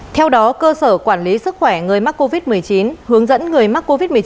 theo đó cơ sở quản lý sức khỏe người mắc covid một mươi chín hướng dẫn người mắc covid một mươi chín